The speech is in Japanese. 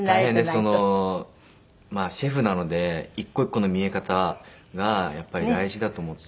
そのシェフなので１個１個の見え方がやっぱり大事だと思って。